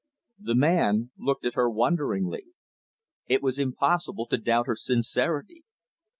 The man looked at her wonderingly. It was impossible to doubt her sincerity.